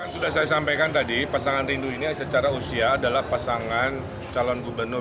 sudah saya sampaikan tadi pasangan rindu ini secara usia adalah pasangan calon gubernur